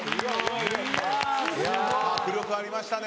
迫力ありましたね。